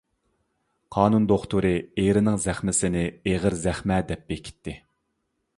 قانۇن دوختۇرى ئېرىنىڭ زەخمىسىنى ئېغىر زەخمە دەپ بېكىتتى.